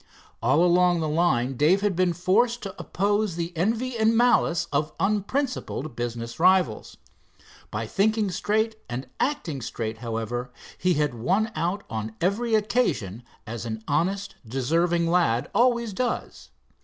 All along the line Dave had been forced to oppose the envy and malice of unprincipled business rivals. By thinking straight and acting straight, however, he had won out on every occasion, as an honest, deserving lad always does.